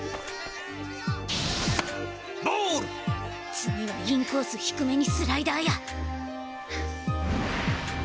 次はインコース低めにスライダーや！